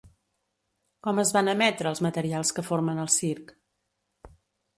Com es van emetre els materials que formen el circ?